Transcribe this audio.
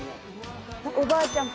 おばあちゃん。